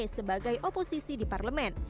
sebagai oposisi di parlemen